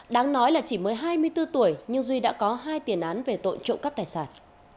đáng nói là chỉ mới hai mươi bốn tuổi nhưng duy đã có hai tiền án về tội trộm cắp tài sản